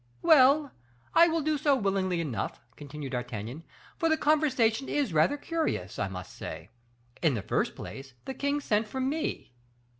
"Well, I will do so willingly enough," continued D'Artagnan, "for the conversation is rather curious, I must say. In the first place the king sent for me."